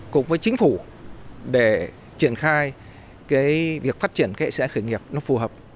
cùng với chính phủ để triển khai việc phát triển hệ sinh thái khởi nghiệp nó phù hợp